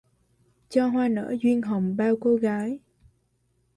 Cho hoa nở duyên hồng bao cô gái